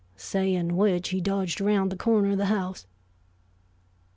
saying which he dodged around the corner of the house.